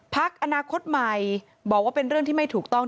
พักอนาคตใหม่บอกว่าเป็นเรื่องที่ไม่ถูกต้อง